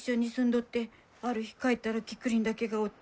ある日帰ったらキクリンだけがおって。